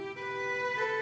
ya sudah pak